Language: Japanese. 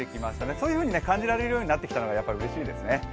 そういうふうに感じられるようになってきたのはうれしいですね。